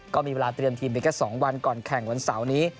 ก็มีเวลาเตรียมทีมไปแค่๒วันก่อนแข่งวันเสาร์นี้